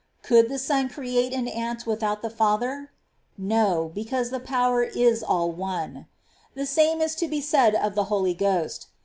Could the Son create an ant without the Father ? No ; because the power is all one. The same is to be said of the Holy Ghost.